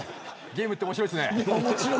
ゲームって面白いですね。